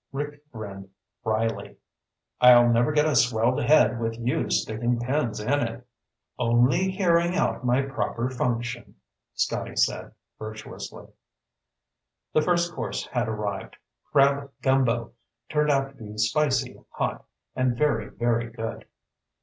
Rick grinned wryly. "I'll never get a swelled head with you sticking pins in it." "Only carrying out my proper function," Scotty said virtuously. The first course had arrived. Crab gumbo turned out to be spicy, hot, and very, very good.